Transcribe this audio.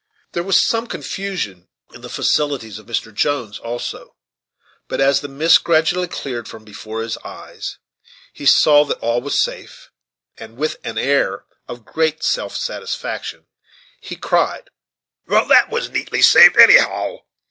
There was some confusion in the faculties of Mr. Jones also: but as the mist gradually cleared from before his eyes, he saw that all was safe, and, with an air of great self satisfaction, he cried, "Well that was neatly saved, anyhow!